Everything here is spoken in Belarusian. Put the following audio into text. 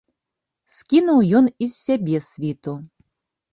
Скінуў ён і з сябе світу.